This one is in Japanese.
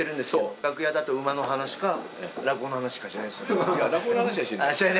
楽屋だと馬の話か落語の話しかしないですよね。